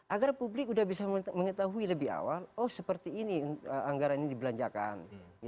agar publik sudah bisa mengetahui lebih awal oh seperti ini anggaran ini dibelanjakan